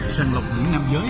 sàng lọc những nam giới